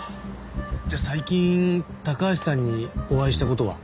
じゃあ最近高橋さんにお会いした事は？